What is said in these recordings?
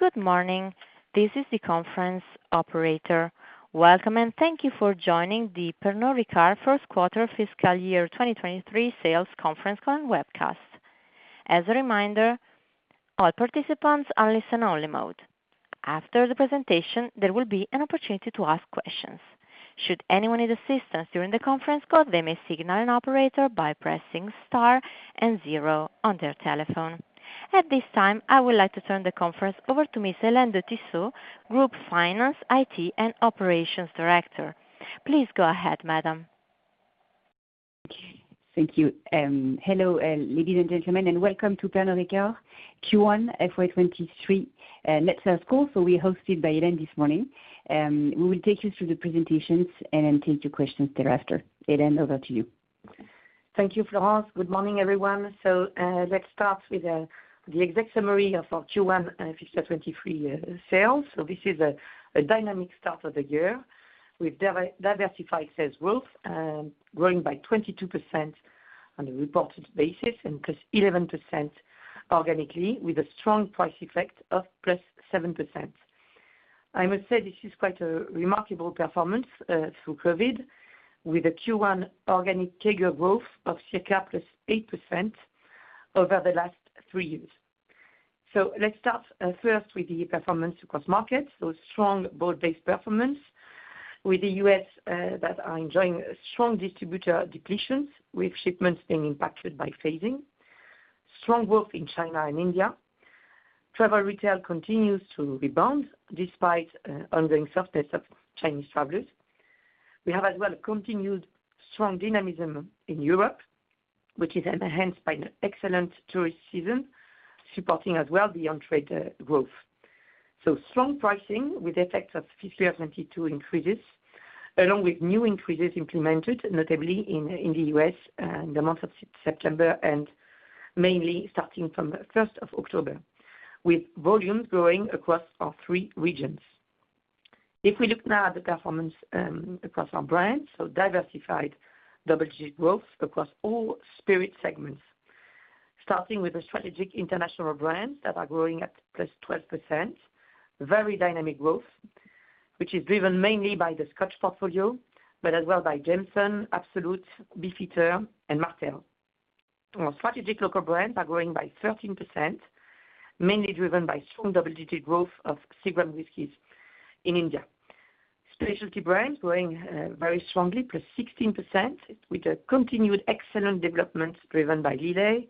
Good morning. This is the conference operator. Welcome and thank you for joining the Pernod Ricard first quarter fiscal year 2023 sales conference call and webcast. As a reminder, all participants are in listen-only mode. After the presentation, there will be an opportunity to ask questions. Should anyone need assistance during the conference call, they may signal an operator by pressing star and zero on their telephone. At this time, I would like to turn the conference over to Miss Hélène de Tissot, Group Finance, IT and Operations Director. Please go ahead, madam. Thank you. Hello, ladies and gentlemen, and welcome to Pernod Ricard Q1 FY 2023 net sales call hosted by Hélène this morning. We will take you through the presentations and then take your questions thereafter. Hélène, over to you. Thank you, Florence. Good morning, everyone. Let's start with the exact summary of our Q1 fiscal 2023 year sales. This is a dynamic start of the year with diversified sales growth, growing by 22% on a reported basis and +11% organically, with a strong price effect of +7%. I must say this is quite a remarkable performance through COVID, with a Q1 organic CAGR growth of circa +8% over the last three years. Let's start first with the performance across markets. Strong broad-based performance with the U.S. that are enjoying strong distributor depletions, with shipments being impacted by phasing. Strong growth in China and India. Travel retail continues to rebound despite ongoing softness of Chinese travelers. We have as well continued strong dynamism in Europe, which is enhanced by an excellent tourist season, supporting as well the on-trade growth. Strong pricing with effect of fiscal 2022 increases, along with new increases implemented, notably in the US, in the month of September and mainly starting from the first of October, with volumes growing across our three regions. If we look now at the performance across our brands, so diversified double-digit growth across all spirit segments, starting with the strategic international brands that are growing at +12%. Very dynamic growth, which is driven mainly by the Scotch portfolio, but as well by Jameson, Absolut, Beefeater, and Martell. Our strategic local brands are growing by 13%, mainly driven by strong double-digit growth of Seagram's whisky in India. Specialty brands growing very strongly, +16%, with a continued excellent development driven by Lillet,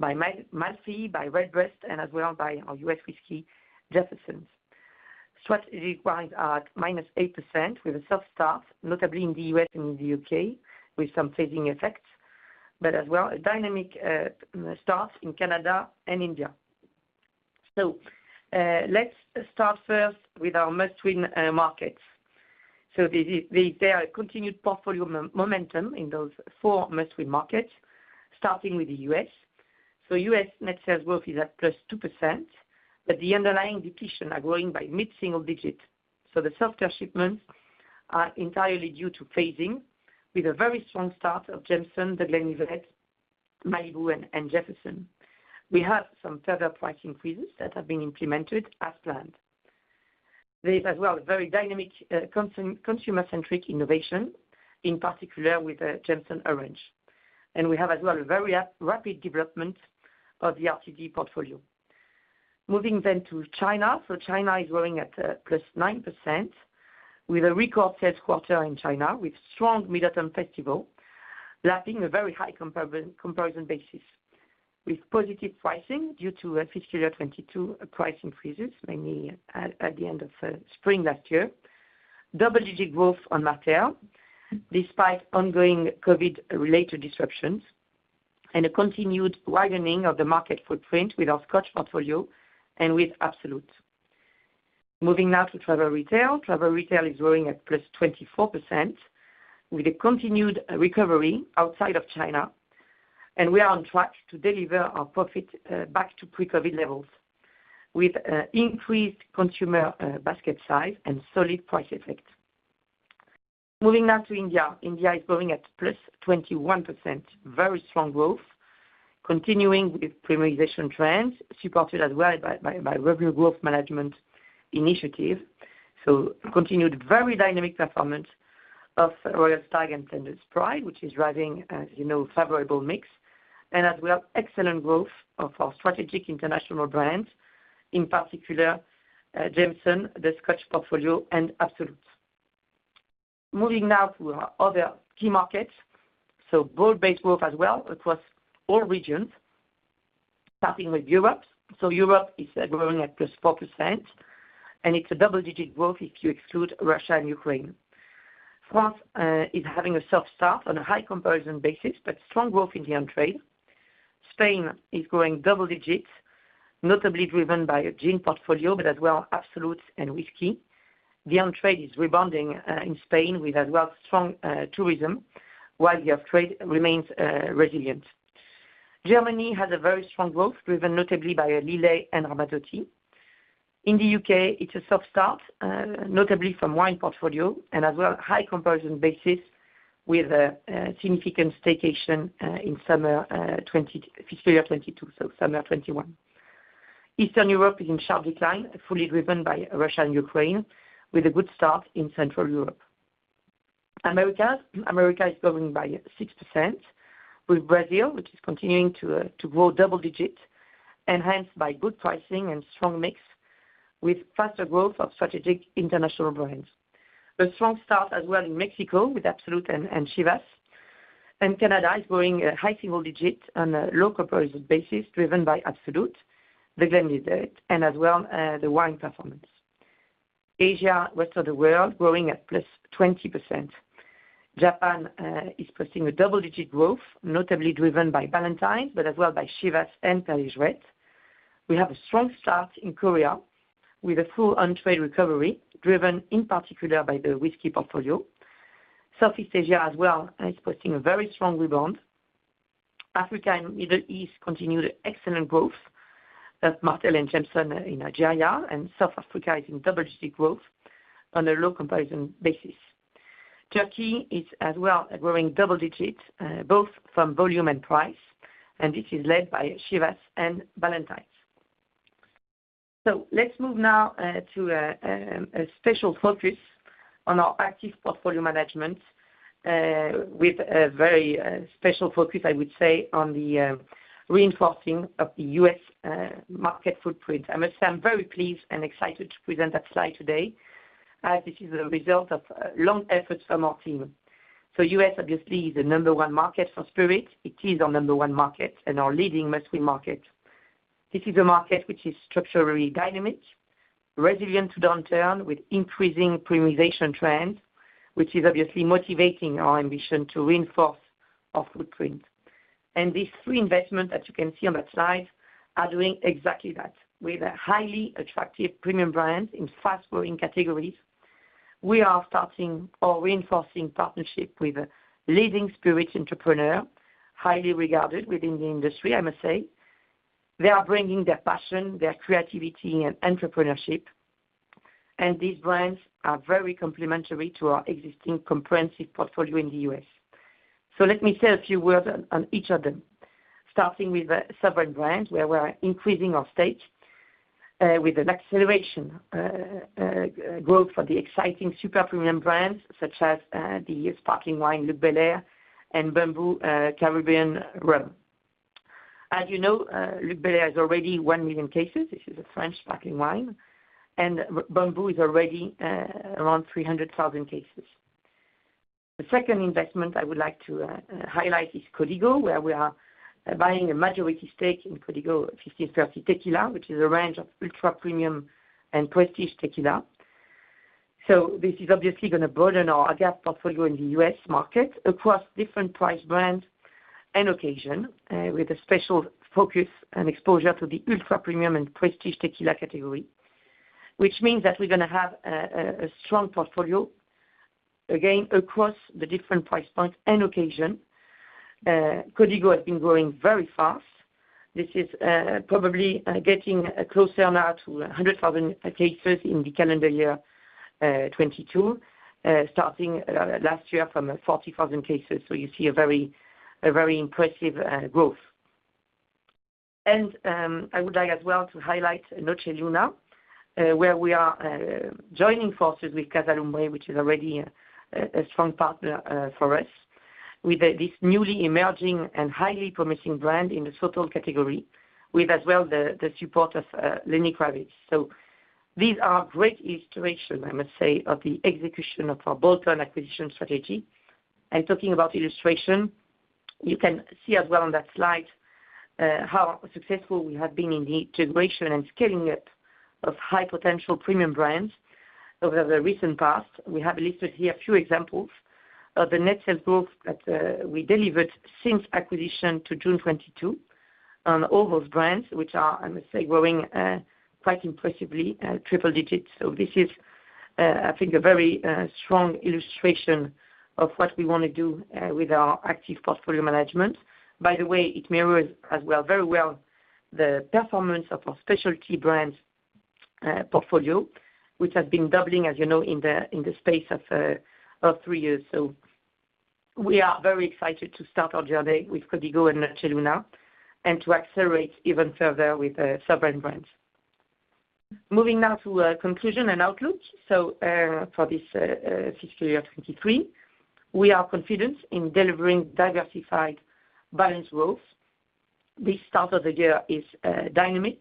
by Malfy, by Redbreast, and as well by our U.S. whiskey, Jefferson's. Scotch at -8% with a soft start, notably in the U.S. and in the U.K., with some phasing effects, but as well a dynamic start in Canada and India. Let's start first with our Must-Win markets. There are continued portfolio momentum in those four Must-Win markets, starting with the U.S. U.S. net sales growth is at +2%, but the underlying depletions are growing by mid-single digits. The softer shipments are entirely due to phasing, with a very strong start of Jameson, The Glenlivet, Malibu, and Jefferson's. We have some further price increases that have been implemented as planned. There is as well a very dynamic consumer-centric innovation, in particular with Jameson Orange. We have as well a very rapid development of the RTD portfolio. Moving to China. China is growing at +9%, with a record sales quarter in China, with strong Mid-Autumn Festival, lapping a very high comparison basis. Positive pricing due to fiscal year 2022 price increases, mainly at the end of spring last year. Double-digit growth on Martell despite ongoing COVID-related disruptions and a continued widening of the market footprint with our Scotch portfolio and with Absolut. Moving to travel retail. Travel retail is growing at +24% with a continued recovery outside of China, and we are on track to deliver our profit back to pre-COVID levels with increased consumer basket size and solid price effect. Moving now to India. India is growing at +21%. Very strong growth, continuing with premiumization trends, supported as well by revenue growth management initiative. Continued very dynamic performance of Royal Stag and Blenders Pride, which is driving, as you know, favorable mix and as well excellent growth of our strategic international brands, in particular, Jameson, the Scotch portfolio, and Absolut. Moving now to our other key markets. Broad-based growth as well across all regions, starting with Europe. Europe is growing at +4%, and it's a double-digit growth if you exclude Russia and Ukraine. France is having a soft start on a high comparison basis, but strong growth in the on-trade. Spain is growing double digits, notably driven by a gin portfolio, but as well Absolut and Whiskey. The on-trade is rebounding in Spain with as well strong tourism, while the off-trade remains resilient. Germany has a very strong growth, driven notably by Lillet and Aberlour. In the UK it's a soft start, notably from wine portfolio and as well a high comparison basis. With a significant staycation in summer fiscal year 2022, so summer 2021. Eastern Europe is in sharp decline, fully driven by Russia and Ukraine, with a good start in Central Europe. America is growing by 6%, with Brazil, which is continuing to grow double digits, enhanced by good pricing and strong mix, with faster growth of strategic international brands. A strong start as well in Mexico with Absolut and Chivas. Canada is growing high single digits on a low comparison basis driven by Absolut, The Glenlivet, and as well, the wine performance. Asia, rest of the world growing at +20%. Japan is posting a double-digit growth, notably driven by Ballantine's, but as well by Chivas and Perrier-Jouët. We have a strong start in Korea with a full on-trade recovery, driven in particular by the whiskey portfolio. Southeast Asia as well is posting a very strong rebound. Africa and Middle East continue the excellent growth of Martell and Jameson in HGR, and South Africa is in double-digit growth on a low comparison basis. Turkey is as well growing double digits, both from volume and price, and this is led by Chivas and Ballantine's. Let's move now to a special focus on our active portfolio management, with a very special focus, I would say, on the reinforcing of the US market footprint. I must say I'm very pleased and excited to present that slide today, as this is a result of long efforts from our team. US obviously is the number one market for spirits. It is our number one market and our leading mainstream market. This is a market which is structurally dynamic, resilient to downturn with increasing premiumization trends, which is obviously motivating our ambition to reinforce our footprint. These three investments that you can see on that slide are doing exactly that. With a highly attractive premium brand in fast-growing categories, we are starting or reinforcing partnership with a leading spirits entrepreneur, highly regarded within the industry, I must say. They are bringing their passion, their creativity and entrepreneurship, and these brands are very complementary to our existing comprehensive portfolio in the US. Let me say a few words on each of them. Starting with the Sovereign Brands, where we are increasing our stake with an acceleration growth for the exciting super premium brands, such as the sparkling wine Luc Belaire and Bumbu Caribbean Rum. As you know, Luc Belaire is already 1 million cases. This is a French sparkling wine. Bumbu is already around 300,000 cases. The second investment I would like to highlight is Código 1530, where we are buying a majority stake in Código 1530 tequila, which is a range of ultra-premium and prestige tequila. This is obviously gonna broaden our agave portfolio in the U.S. market across different price bands and occasions, with a special focus and exposure to the ultra-premium and prestige tequila category. Which means that we're gonna have a strong portfolio, again, across the different price points and occasions. Código has been growing very fast. This is probably getting closer now to 100,000 cases in the calendar year 2022, starting last year from 40,000 cases. You see a very impressive growth. I would like as well to highlight Nocheluna, where we are joining forces with Casa Lumbre, which is already a strong partner for us, with this newly emerging and highly promising brand in the sotol category, with as well the support of Lenny Kravitz. These are great illustration, I must say, of the execution of our bolt-on acquisition strategy. Talking about illustration, you can see as well on that slide how successful we have been in the integration and scaling up of high-potential premium brands over the recent past. We have listed here a few examples of the net sales growth that we delivered since acquisition to June 2022 on all those brands, which are, I must say, growing quite impressively at triple digits. This is, I think, a very strong illustration of what we wanna do with our active portfolio management. By the way, it mirrors as well, very well, the performance of our specialty brands portfolio, which has been doubling, as you know, in the space of three years. We are very excited to start our journey with Código 1530 and Nocheluna and to accelerate even further with the Sovereign Brands. Moving now to a conclusion and outlook. For this fiscal year 2023, we are confident in delivering diversified balanced growth. This start of the year is dynamic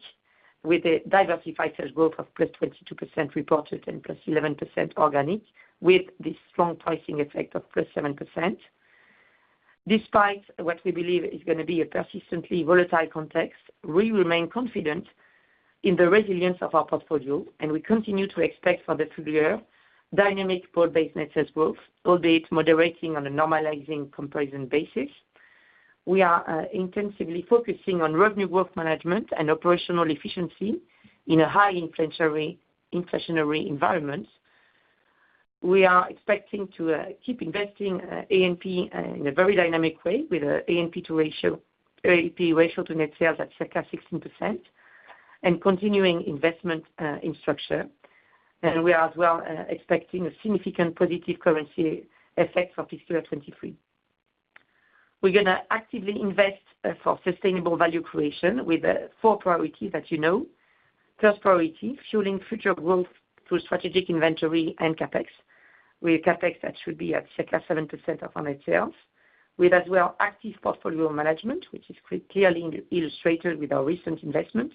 with a diversified sales growth of +22% reported and +11% organic, with this strong pricing effect of +7%. Despite what we believe is gonna be a persistently volatile context, we remain confident in the resilience of our portfolio, and we continue to expect for the full year dynamic broad-based net sales growth, albeit moderating on a normalizing comparison basis. We are intensively focusing on revenue growth management and operational efficiency in a high inflationary environment. We are expecting to keep investing in A&P in a very dynamic way with A&P ratio to net sales at circa 16% and continuing investment in structure. We are as well expecting a significant positive currency effect for fiscal 2023. We're gonna actively invest for sustainable value creation with the four priorities that you know. First priority, fueling future growth through strategic inventory and CapEx, with CapEx that should be at circa 70% of our net sales. With as well active portfolio management, which is clearly illustrated with our recent investment,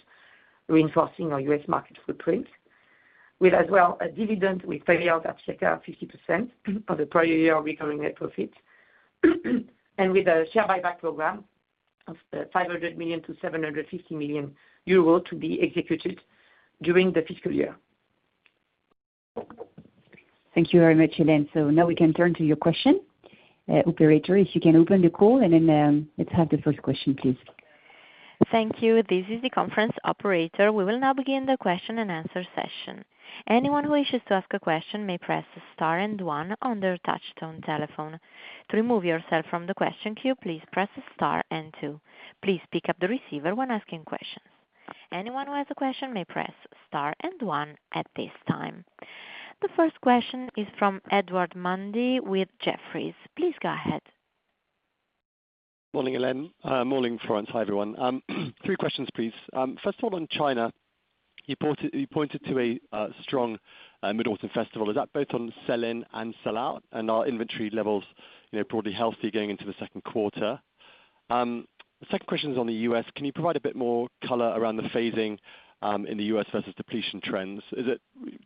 reinforcing our U.S. market footprint. With as well a dividend we pay out at circa 50% of the prior year recurring net profit. With a share buyback program of 500 million-750 million euro to be executed during the fiscal year. Thank you very much, Hélène. Now we can turn to your question. Operator, if you can open the call, and then, let's have the first question, please. Thank you. This is the conference operator. We will now begin the question-and-answer session. Anyone who wishes to ask a question may press star and one on their touchtone telephone. To remove yourself from the question queue, please press star and two. Please pick up the receiver when asking questions. Anyone who has a question may press star and one at this time. The first question is from Edward Mundy with Jefferies. Please go ahead. Morning, Hélène. Morning, Florence. Hi, everyone. Three questions, please. First of all, on China, you pointed to a strong Mid-Autumn Festival. Is that both on sell-in and sell-out? And are inventory levels, you know, broadly healthy going into the second quarter? Second question is on the US. Can you provide a bit more color around the phasing in the US versus depletion trends? Is it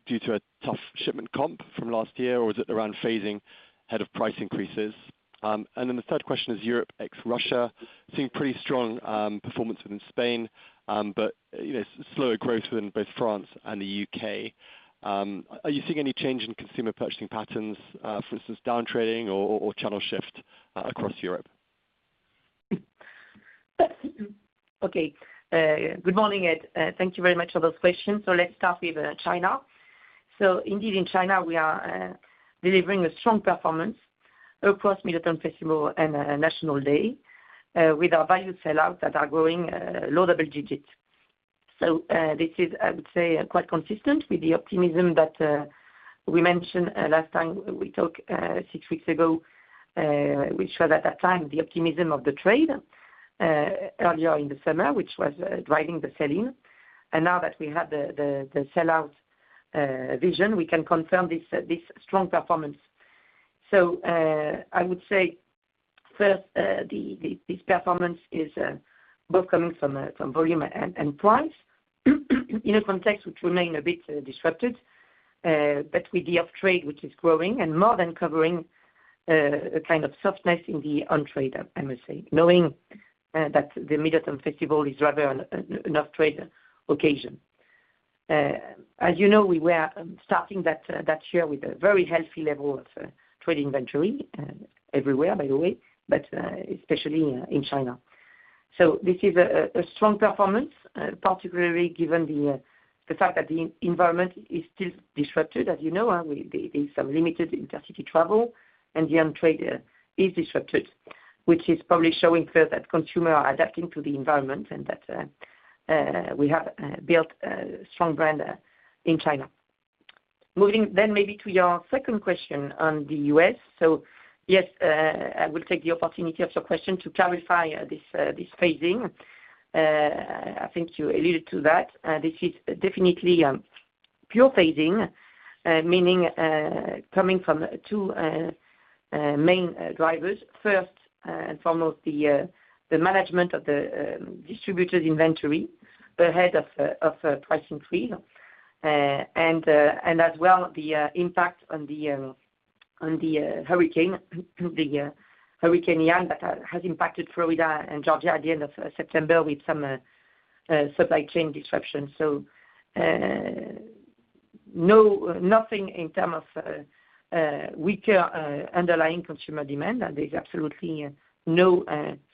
due to a tough shipment comp from last year, or is it around phasing ahead of price increases? And then the third question is Europe ex Russia. Seeing pretty strong performance within Spain, but, you know, slower growth within both France and the UK. Are you seeing any change in consumer purchasing patterns, for instance, downtrading or channel shift across Europe? Okay. Good morning, Ed. Thank you very much for those questions. Let's start with China. Indeed, in China, we are delivering a strong performance across Mid-Autumn Festival and National Day with our value sell-out that are growing low double digits. This is, I would say, quite consistent with the optimism that we mentioned last time we talked six weeks ago, which was at that time the optimism of the trade earlier in the summer, which was driving the sell-in. Now that we have the sell-out visibility, we can confirm this strong performance. I would say, first, this performance is both coming from volume and price, in a context which remain a bit disrupted, but with the off-trade which is growing and more than covering a kind of softness in the on-trade, I must say, knowing that the Mid-Autumn Festival is rather an off-trade occasion. As you know, we were starting that year with a very healthy level of trade inventory everywhere by the way, but especially in China. This is a strong performance, particularly given the fact that the environment is still disrupted. As you know, there's some limited intercity travel and the on-trade is disrupted, which is probably showing further that consumers are adapting to the environment and that we have built a strong brand in China. Moving maybe to your second question on the U.S. Yes, I will take the opportunity of your question to clarify this phasing. I think you alluded to that. This is definitely pure phasing, meaning coming from two main drivers. First and foremost the management of the distributors' inventory ahead of pricing three. As well, the impact of the hurricane, the Hurricane Ian that has impacted Florida and Georgia at the end of September with some supply chain disruptions. Nothing in terms of weaker underlying consumer demand. There's absolutely no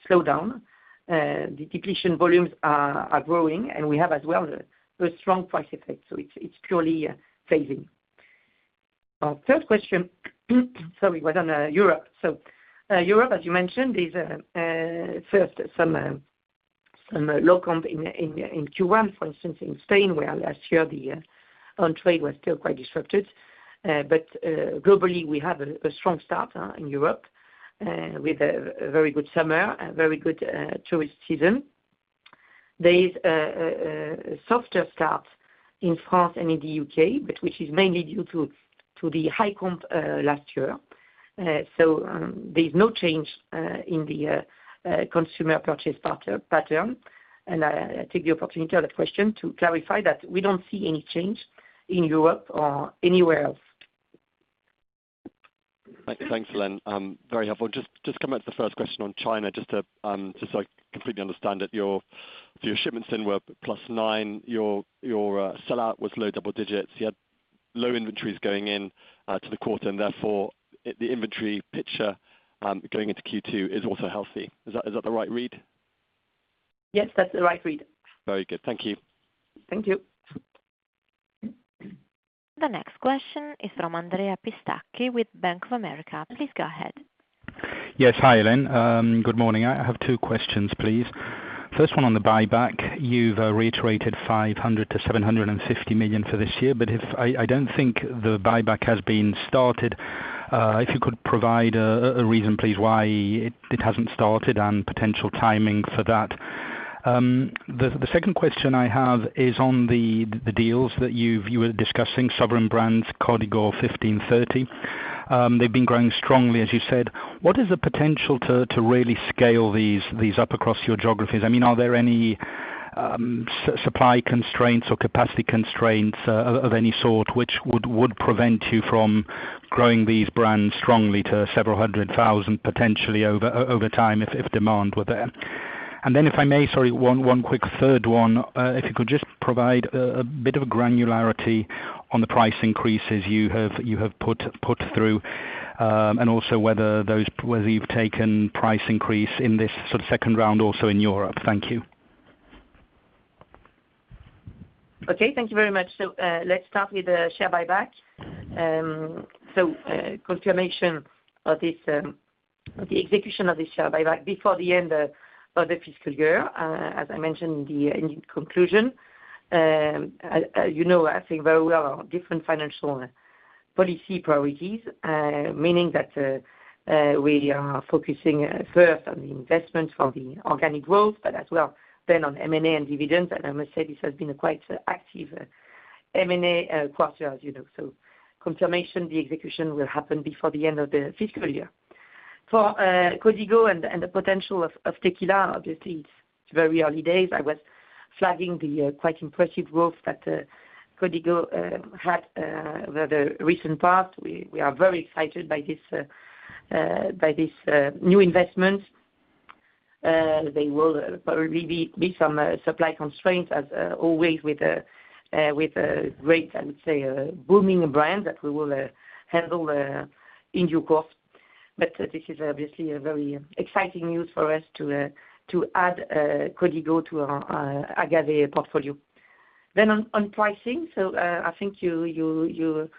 slowdown. The depletion volumes are growing, and we have as well a strong price effect. It's purely phasing. Our third question, sorry, was on Europe. Europe as you mentioned is first some low comp in Q1, for instance in Spain, where last year the on-trade was still quite disrupted. Globally, we have a strong start in Europe with a very good summer, a very good tourist season. There is a softer start in France and in the UK, but which is mainly due to the high comps last year. There's no change in the consumer purchase pattern. I take the opportunity of the question to clarify that we don't see any change in Europe or anywhere else. Thanks, Hélène. Very helpful. Just coming back to the first question on China just to just so I completely understand it. Your shipments then were +9%. Your sell-out was low double digits. You had low inventories going in to the quarter and therefore the inventory picture going into Q2 is also healthy. Is that the right read? Yes, that's the right read. Very good. Thank you. Thank you. The next question is from Andrea Pistacchi with Bank of America. Please go ahead. Yes. Hi, Hélène. Good morning. I have two questions, please. First one on the buyback. You've reiterated 500 million-750 million for this year, but I don't think the buyback has been started. If you could provide a reason, please, why it hasn't started and potential timing for that. The second question I have is on the deals that you were discussing, Sovereign Brands, Código 1530. They've been growing strongly, as you said. What is the potential to really scale these up across your geographies? I mean, are there any supply constraints or capacity constraints of any sort which would prevent you from growing these brands strongly to several hundred thousand potentially over time if demand were there? If I may, sorry, one quick third one. If you could just provide a bit of granularity on the price increases you have put through, and also whether you've taken price increase in this sort of second round also in Europe. Thank you. Okay. Thank you very much. Let's start with the share buyback. Confirmation of this, the execution of this share buyback before the end of the fiscal year, as I mentioned in the conclusion. As you know, I think very well our different financial policy priorities, meaning that, we are focusing first on the investment for the organic growth, but as well then on M&A and dividends. I must say this has been a quite active M&A quarter as you know. Confirmation, the execution will happen before the end of the fiscal year. For Código and the potential of tequila, obviously it's very early days. I was flagging the quite impressive growth that Código had over the recent past. We are very excited by this new investment. There will probably be some supply constraints as always with a great, I would say, booming brand that we will handle in due course. This is obviously a very exciting news for us to add Código to our agave portfolio. On pricing. I think you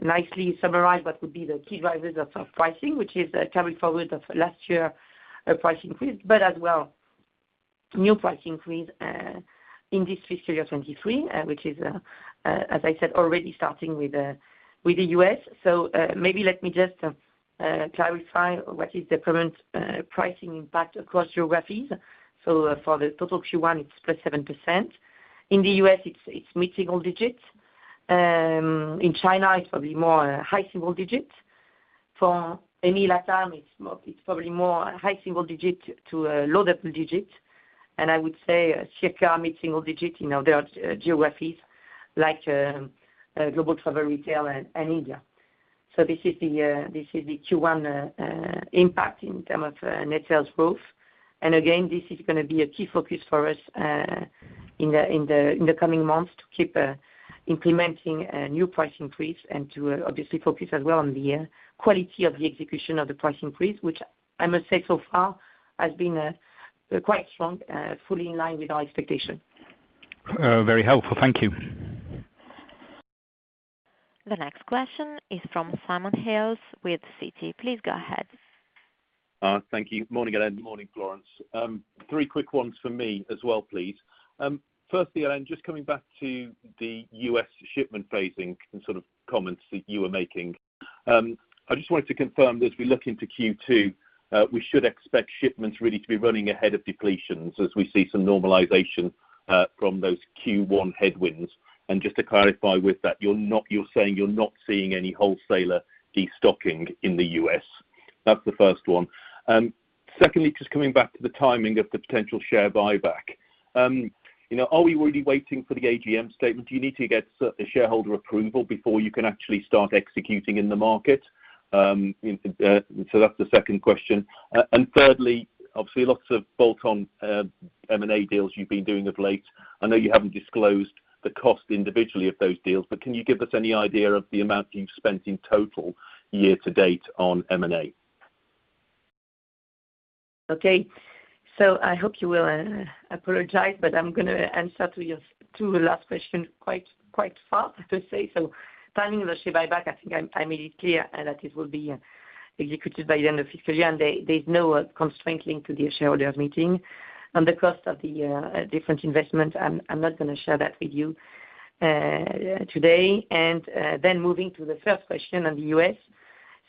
nicely summarized what would be the key drivers of pricing, which is a carry forward of last year price increase, but as well, new price increase in this fiscal year 2023, which is, as I said, already starting with the U.S. Maybe let me just clarify what is the current pricing impact across geographies. For the total Q1, it's +7%. In the U.S., it's mid-single digits. In China, it's probably more high single digits. For EMEA, LATAM, it's probably more high single digit to a low double digits. I would say SEAA mid-single digit, you know, there are geographies like global travel retail and India. This is the Q1 impact in terms of net sales growth. This is gonna be a key focus for us in the coming months to keep implementing new price increase and to obviously focus as well on the quality of the execution of the price increase, which I must say so far has been quite strong, fully in line with our expectation. Very helpful. Thank you. The next question is from Simon Hales with Citi. Please go ahead. Thank you. Morning, Hélène, morning, Florence. Three quick ones for me as well, please. Firstly, Hélène, just coming back to the US shipment phasing and sort of comments that you were making. I just wanted to confirm that as we look into Q2, we should expect shipments really to be running ahead of depletions as we see some normalization from those Q1 headwinds. Just to clarify with that, you're saying you're not seeing any wholesaler destocking in the US. That's the first one. Secondly, just coming back to the timing of the potential share buyback. You know, are we really waiting for the AGM statement? Do you need to get a shareholder approval before you can actually start executing in the market? That's the second question. Thirdly, obviously, lots of bolt-on M&A deals you've been doing of late. I know you haven't disclosed the cost individually of those deals, but can you give us any idea of the amount you've spent in total year to date on M&A? Okay. I hope you will apologize, but I'm gonna answer to your two last question quite fast, I have to say. Timing of the share buyback, I think I made it clear that it will be executed by the end of fiscal year, and there's no constraint linked to the shareholders meeting. On the cost of the different investment, I'm not gonna share that with you today. Moving to the first question on the U.S.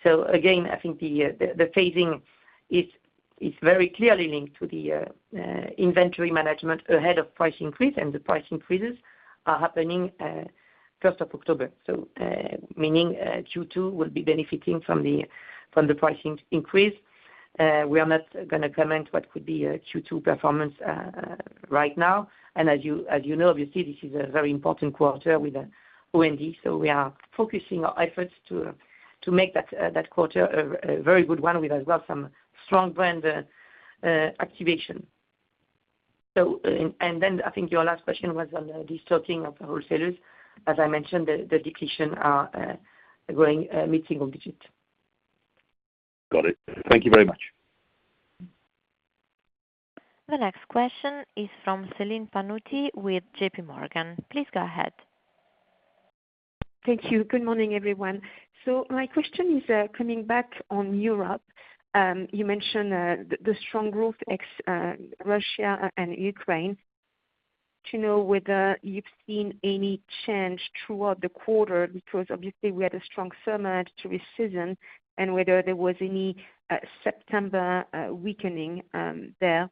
I think the phasing is very clearly linked to the inventory management ahead of price increase, and the price increases are happening first of October. Meaning, Q2 will be benefiting from the pricing increase. We are not gonna comment what could be a Q2 performance right now. As you know, obviously, this is a very important quarter with OND, so we are focusing our efforts to make that quarter a very good one with as well some strong brand activation. I think your last question was on the destocking of the wholesalers. As I mentioned, the depletion are growing mid-single digit. Got it. Thank you very much. The next question is from Celine Pannuti with J.P. Morgan. Please go ahead. Thank you. Good morning, everyone. My question is coming back on Europe, you mentioned the strong growth ex Russia and Ukraine. Do you know whether you've seen any change throughout the quarter because obviously we had a strong summer tourist season and whether there was any September weakening there.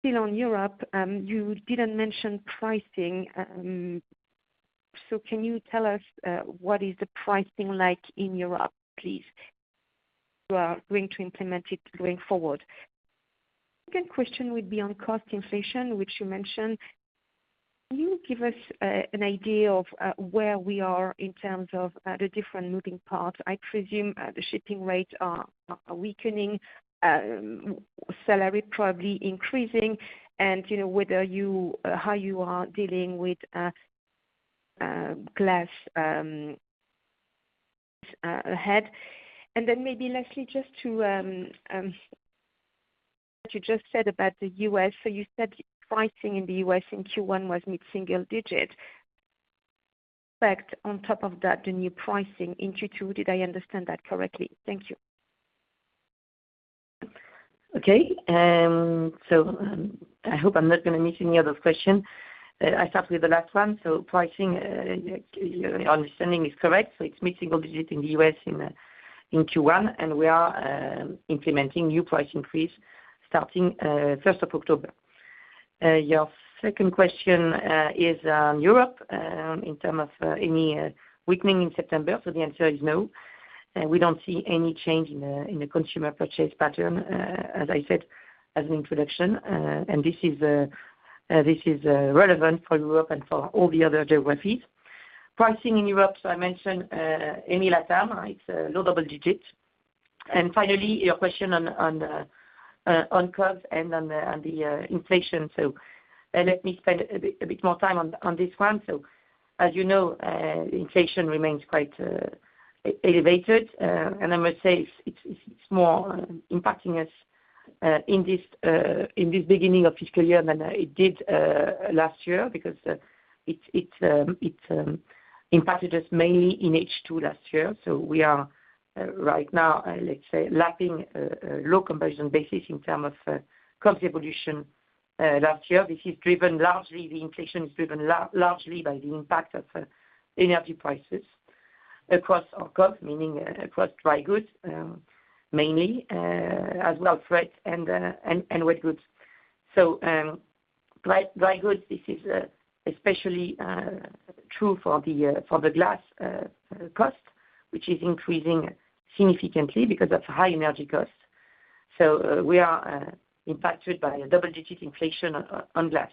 Still on Europe, you didn't mention pricing. Can you tell us what the pricing is like in Europe, please? You are going to implement it going forward. Second question would be on cost inflation, which you mentioned. Can you give us an idea of where we are in terms of the different moving parts? I presume the shipping rates are weakening, salary probably increasing, and you know how you are dealing with glass ahead. Maybe lastly, just to, what you just said about the U.S. You said pricing in the U.S. in Q1 was mid-single digit. Expect on top of that, the new pricing in Q2. Did I understand that correctly? Thank you. I hope I'm not gonna miss any other question. I start with the last one. Pricing, your understanding is correct, it's mid-single digit in the U.S. in Q1, and we are implementing new price increase starting first of October. Your second question is on Europe, in terms of any weakening in September, the answer is no. We don't see any change in the consumer purchase pattern, as I said as an introduction. This is relevant for Europe and for all the other geographies. Pricing in Europe, I mentioned end of last term, it's low double digits. Finally, your question on cost and on the inflation. Let me spend a bit more time on this one. As you know, inflation remains quite elevated. I must say it's more impacting us in this beginning of fiscal year than it did last year because it impacted us mainly in H2 last year. We are right now, let's say, lapping low comparison basis in terms of cost evolution last year. This is driven largely by the impact of energy prices across our cost, meaning across dry goods, mainly, as well as freight and wet goods. Dry goods, this is especially true for the glass cost, which is increasing significantly because of high energy costs. We are impacted by a double-digit inflation on glass.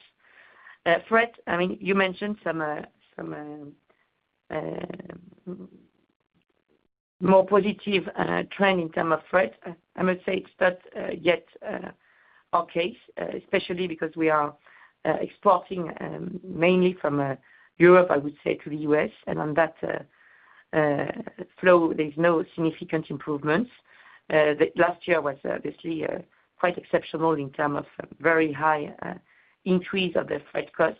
Freight, I mean, you mentioned some more positive trend in terms of freight. I must say it's not yet our case, especially because we are exporting mainly from Europe, I would say, to the U.S. On that flow, there's no significant improvements. The last year was obviously quite exceptional in terms of very high increase of the freight cost,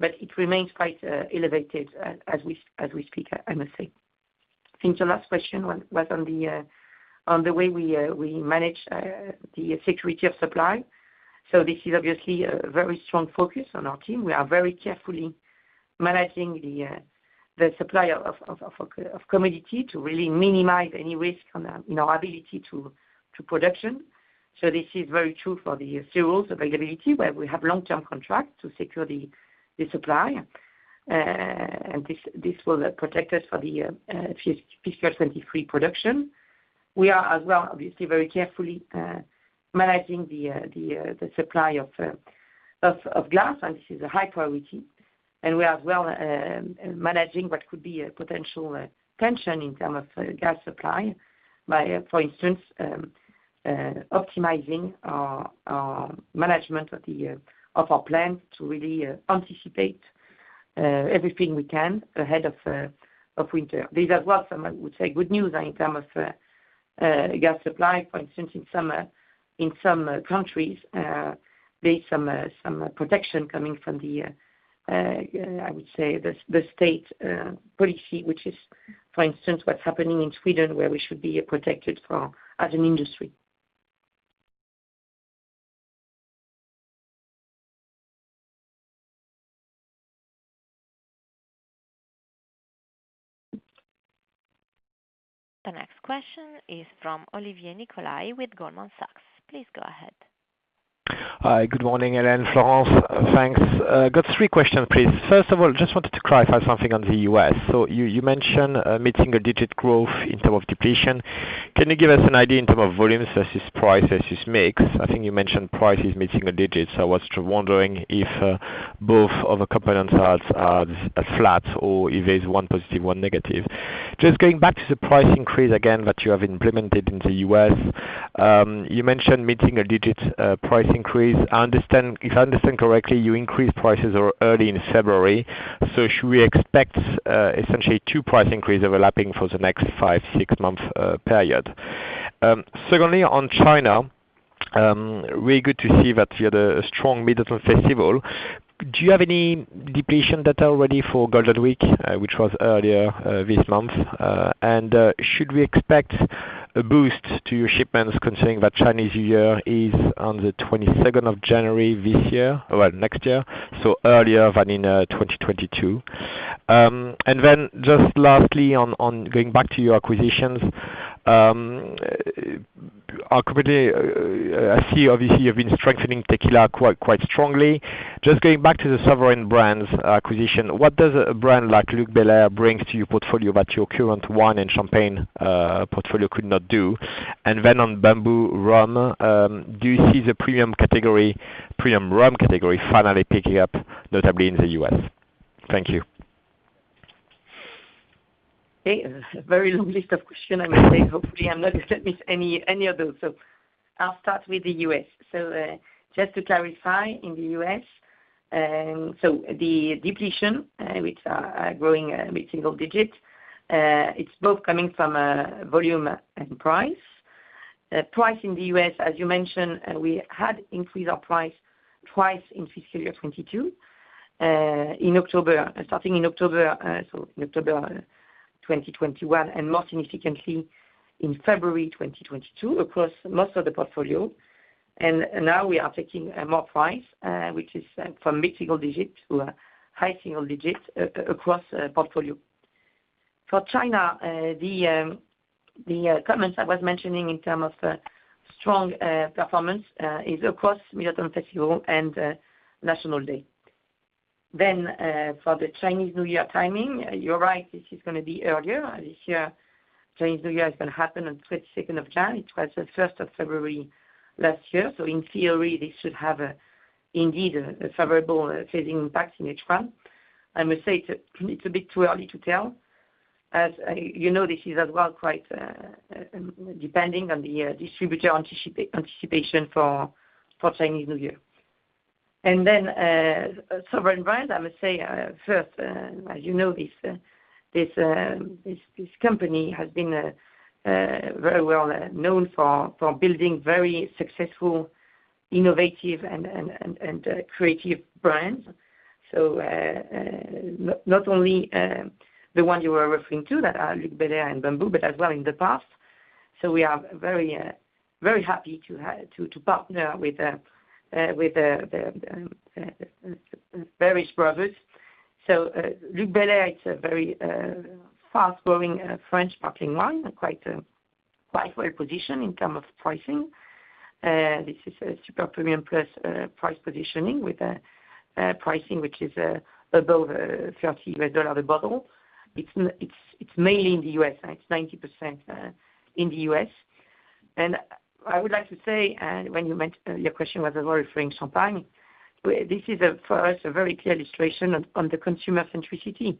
but it remains quite elevated as we speak, I must say. I think your last question was on the way we manage the security of supply. This is obviously a very strong focus on our team. We are very carefully managing the supply of commodity to really minimize any risk to our ability to produce. This is very true for the fuel availability, where we have long-term contracts to secure the supply. This will protect us for the FY 2023 production. We are as well obviously very carefully managing the supply of glass, and this is a high priority. We are as well managing what could be a potential tension in terms of gas supply by, for instance, optimizing our management of our plants to really anticipate everything we can ahead of winter. These are, well, some, I would say good news in terms of gas supply, for instance, in some countries, there is some protection coming from the, I would say the state policy which is for instance, what's happening in Sweden, where we should be protected from as an industry. The next question is from Olivier Nicolai with Goldman Sachs. Please go ahead. Hi. Good morning, Hélène, Florence. Thanks. Got three questions, please. First of all, just wanted to clarify something on the U.S. You mentioned mid-single-digit growth in terms of depletion. Can you give us an idea in terms of volumes versus price versus mix? I think you mentioned price is mid-single digits. I was just wondering if both of the components are flat or if there's one positive, one negative. Just going back to the price increase again that you have implemented in the U.S., you mentioned mid-single-digit price increase. I understand. If I understand correctly, you increased prices in early February. Should we expect essentially two price increases overlapping for the next five- or six-month period? Secondly, on China, really good to see that you had a strong Mid-Autumn Festival. Do you have any depletion data ready for Golden Week, which was earlier this month? Should we expect a boost to your shipments considering that Chinese New Year is on the 22nd of January next year, so earlier than in 2022? Just lastly on going back to your acquisitions, arguably, I see obviously you've been strengthening tequila quite strongly. Just going back to the Sovereign Brands acquisition, what does a brand like Luc Belaire bring to your portfolio that your current wine and champagne portfolio could not do? On Bumbu Rum, do you see the premium rum category finally picking up, notably in the U.S.? Thank you. Okay. A very long list of questions I must say. Hopefully, I'm not gonna miss any of those. I'll start with the US. Just to clarify, in the US, the depletion, which are growing at mid-single-digit%, it's both coming from volume and price. Price in the US, as you mentioned, we had increased our price twice in fiscal year 2022, in October, starting in October, so in October 2021, and more significantly in February 2022 across most of the portfolio. Now we are taking more price, which is from mid-single-digit% to high single digits% across portfolio. For China, the comments I was mentioning in terms of strong performance is across Mid-Autumn Festival and National Day. For the Chinese New Year timing, you're right, this is gonna be earlier. This year, Chinese New Year is gonna happen on 22nd of January. It was the 1st of February last year. In theory, this should have, indeed, a favorable trading impact in H1. I must say it's a bit too early to tell. You know, this is as well quite depending on the distributor anticipation for Chinese New Year. Sovereign Brands, I would say, first, as you know, this company has been very well known for building very successful, innovative and creative brands. Not only the one you were referring to, that are Luc Belaire and Bumbu, but as well in the past. We are very happy to partner with the Baehrisch brothers. Luc Belaire, it's a very fast-growing French sparkling wine, quite well-positioned in terms of pricing. This is a super premium plus price positioning with a pricing which is above $30 a bottle. It's mainly in the US. It's 90% in the US. I would like to say, when you mentioned your question was also referring champagne. This is, for us, a very clear illustration on the consumer centricity.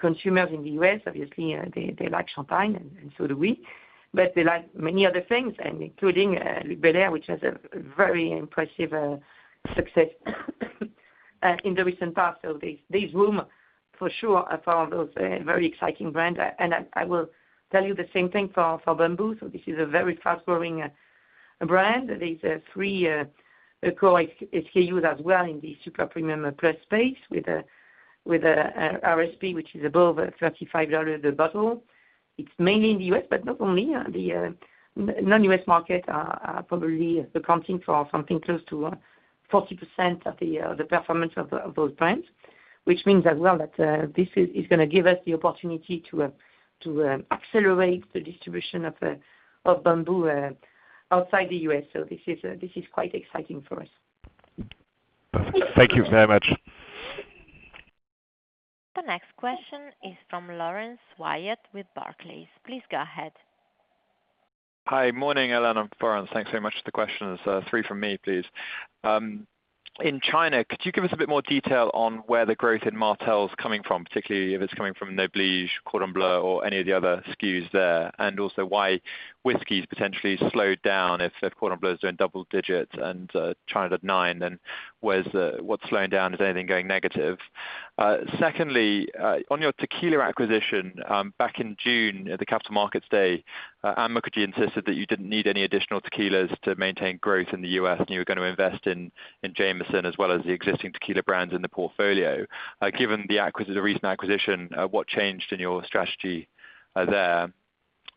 Consumers in the U.S., obviously, they like champagne and so do we. They like many other things including Luc Belaire, which has a very impressive success in the recent past. There is room for sure for those very exciting brand. And I will tell you the same thing for Bumbu. This is a very fast-growing brand. There's three core SKUs as well in the super premium plus space with a RSP which is above $35 a bottle. It's mainly in the U.S., but not only. The non-U.S. market are probably accounting for something close to 40% of the performance of those brands, which means as well that this is gonna give us the opportunity to accelerate the distribution of Bumbu outside the U.S. This is quite exciting for us. Perfect. Thank you very much. The next question is from Laurence Whyatt with Barclays. Please go ahead.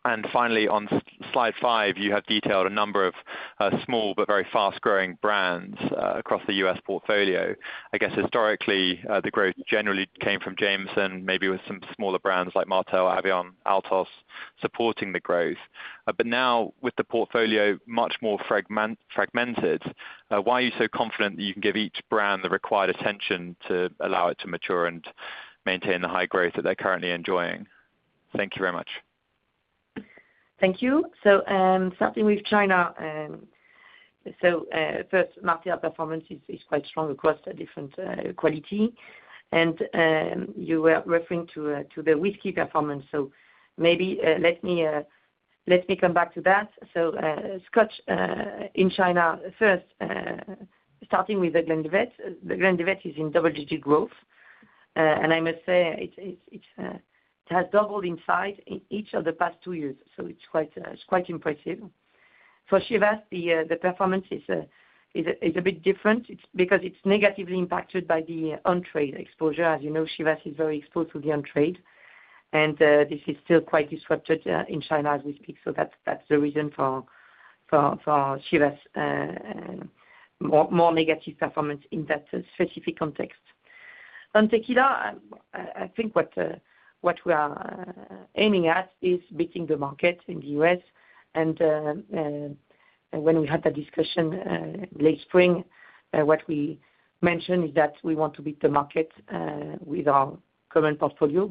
Thank you. Starting with China, first Martell performance is quite strong across the different quality. You were referring to the whiskey performance. Maybe let me come back to that. Scotch in China, starting with The Glenlivet. The Glenlivet is in double-digit growth. I must say it has doubled in size in each of the past two years. It's quite impressive. For Chivas, the performance is a bit different. It's because it's negatively impacted by the on-trade exposure. As you know, Chivas is very exposed to the on-trade, and this is still quite disrupted in China as we speak. That's the reason for Chivas' more negative performance in that specific context. On Tequila, I think what we are aiming at is beating the market in the U.S. and when we had that discussion late spring what we mentioned is that we want to beat the market with our current portfolio.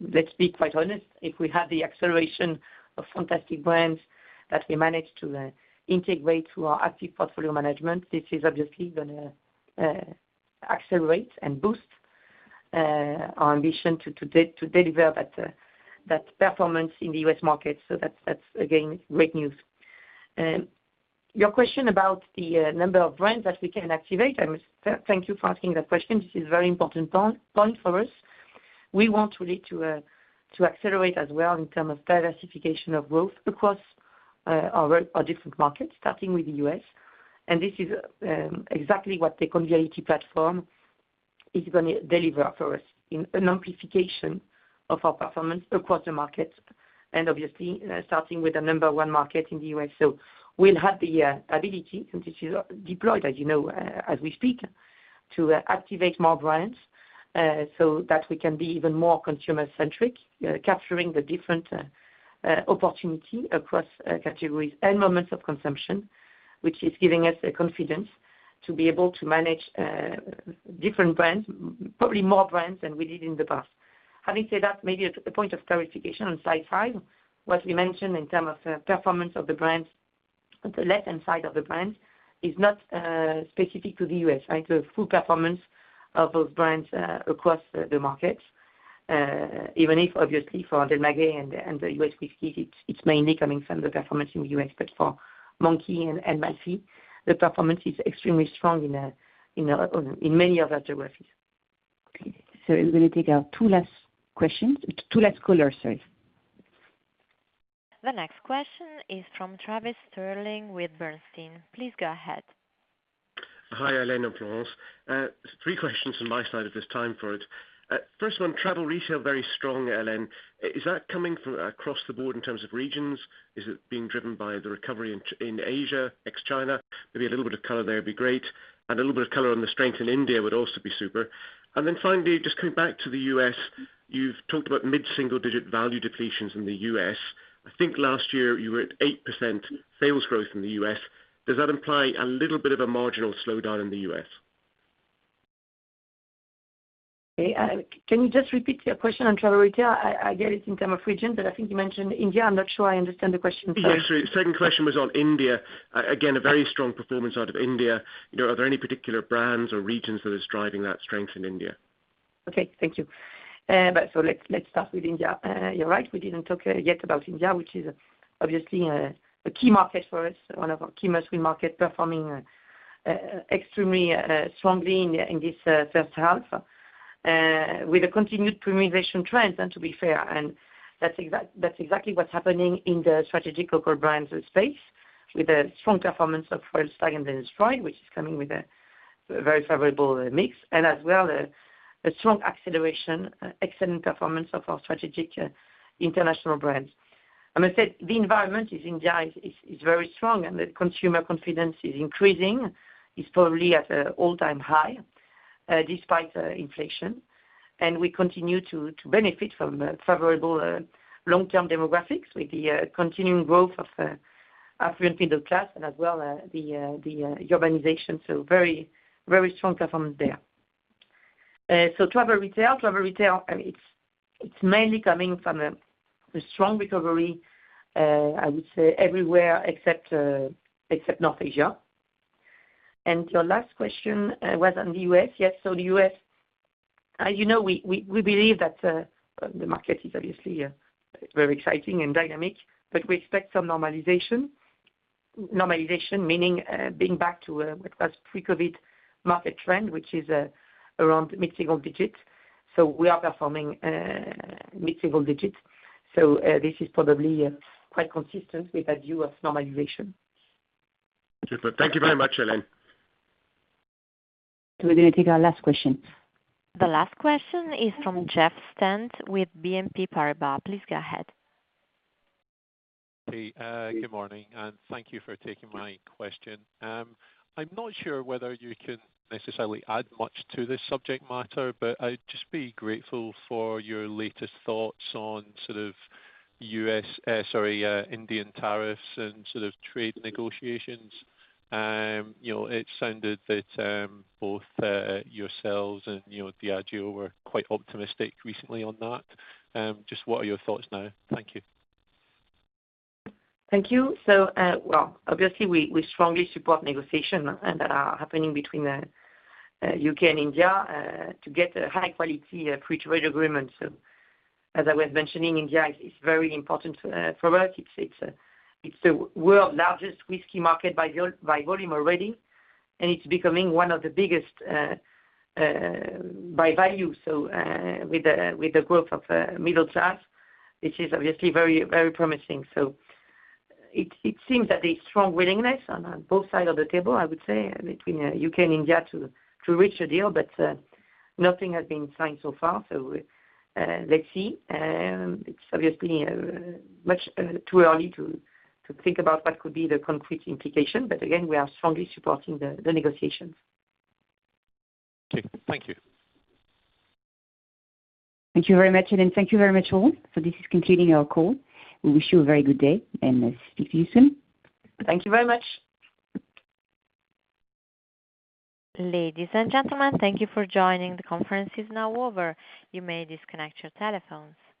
Let's be quite honest, if we have the acceleration of fantastic brands that we manage to integrate through our active portfolio management, this is obviously gonna accelerate and boost our ambition to deliver that performance in the U.S. market. That's again great news. Your question about the number of brands that we can activate. I must thank you for asking that question. This is a very important point for us. We want really to accelerate as well in terms of diversification of growth across our different markets, starting with the US. This is exactly what the Convivialité platform is gonna deliver for us in an amplification of our performance across the market, and obviously, starting with the number one market in the US. We'll have the ability, and this is deployed, as you know, as we speak, to activate more brands, so that we can be even more consumer centric, capturing the different opportunity across categories and moments of consumption, which is giving us the confidence to be able to manage different brands, probably more brands than we did in the past. Having said that, maybe a point of clarification on slide five, what we mentioned in terms of performance of the brands. The left-hand side of the brand is not specific to the U.S., right, the full performance of those brands across the market, even if obviously for Del Maguey and the U.S. whiskeys, it's mainly coming from the performance in the U.S. But for Monkey and Malfy, the performance is extremely strong in many other geographies. Okay. We're gonna take our two last questions. Two last callers, sorry. The next question is from Trevor Stirling with Bernstein. Please go ahead. Hi, Hélène and Florence. Three questions on my side this time for it. First one, travel retail, very strong, Hélène. Is that coming from across the board in terms of regions? Is it being driven by the recovery in Asia, ex China? Maybe a little bit of color there would be great. A little bit of color on the strength in India would also be super. Finally, just coming back to the U.S., you've talked about mid-single-digit value depletions in the U.S. I think last year you were at 8% sales growth in the U.S. Does that imply a little bit of a marginal slowdown in the U.S.? Okay. Can you just repeat your question on travel retail? I get it in terms of region, but I think you mentioned India. I'm not sure I understand the question, so. Yeah, sure. Second question was on India. A very strong performance out of India. You know, are there any particular brands or regions that is driving that strength in India? Okay. Thank you. Let's start with India. You're right, we didn't talk yet about India, which is obviously a key market for us, one of our key must-win markets performing extremely strongly in this first half, with a continued premiumization trend and to be fair. That's exactly what's happening in the strategic local brands space with a strong performance of Royal Stag and Blenders Pride, which is coming with a very favorable mix and as well a strong acceleration, excellent performance of our strategic international brands. I must say, the environment in India is very strong and the consumer confidence is increasing. It's probably at an all-time high, despite inflation. We continue to benefit from favorable long-term demographics with the continuing growth of affluent middle class and as well the urbanization. Very, very strong performance there. Travel retail, I mean, it's mainly coming from a strong recovery, I would say everywhere except North Asia. Your last question was on the U.S. Yes. The U.S., as you know, we believe that the market is obviously very exciting and dynamic, but we expect some normalization. Normalization meaning being back to what was pre-COVID market trend, which is around mid-single digits. We are performing mid-single digits. This is probably quite consistent with our view of normalization. Thank you. Thank you very much, Hélène. We're gonna take our last question. The last question is from Jeff Stent with BNP Paribas. Please go ahead. Hey, good morning, and thank you for taking my question. I'm not sure whether you can necessarily add much to this subject matter, but I'd just be grateful for your latest thoughts on Indian tariffs and sort of trade negotiations. You know, it sounded that both yourselves and Diageo were quite optimistic recently on that. Just what are your thoughts now? Thank you. Thank you. Well, obviously we strongly support negotiations that are happening between U.K. and India to get a high quality free trade agreement. As I was mentioning, India is very important for us. It's the world's largest whiskey market by volume already, and it's becoming one of the biggest by value. With the growth of middle class, which is obviously very promising. It seems that there is strong willingness on both sides of the table, I would say, between U.K. and India to reach a deal, but nothing has been signed so far. Let's see. It's obviously much too early to think about what could be the concrete implications. Again, we are strongly supporting the negotiations. Okay. Thank you. Thank you very much, Hélène. Thank you very much all. This is concluding our call. We wish you a very good day and speak to you soon. Thank you very much. Ladies and gentlemen, thank you for joining. The conference is now over. You may disconnect your telephones.